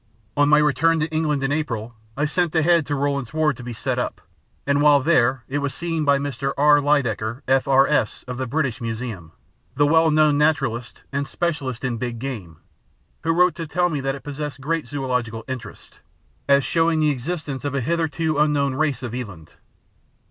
On my return to England in April. I sent the head to Rowland Ward's to be set up, and while there it was seen by Mr. R. Lydekker, F.R.S., of the British Museum, the well known naturalist and specialist in big game, who wrote to tell me that it possessed great zoological interest, as showing the existence of a hitherto unknown race of eland.